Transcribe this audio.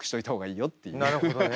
なるほどね。